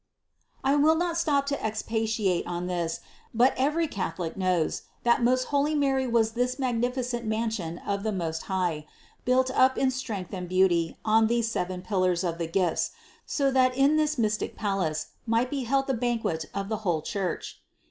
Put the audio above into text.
I will not stop to expatiate on this, but every Catholic knows, that most holy Mary was this magnificent mansion of the Most High, built up in strength and beauty on these seven pillars of the gifts, so that in this mystic palace might be held the banquet of the whole Church.